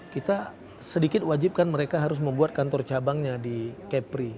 kita sedikit wajibkan mereka harus membuat kantor cabangnya di kepri